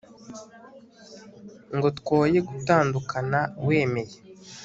ngo twoye gutandukana wemeye